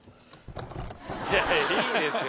いやいいですよ